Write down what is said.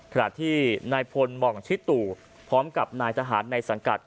ขณะที่นายพลหม่องชิตุพร้อมกับนายทหารในสังกัด